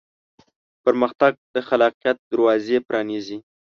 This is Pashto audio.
پرمختګ د خلاقیت دروازې پرانیزي.